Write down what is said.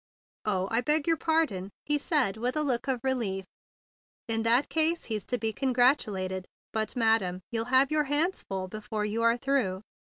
"Oh, I beg your pardon!" he said with a look of relief. "In that case he's to be congratulated. But, madam, you'll have your hands full before you are through.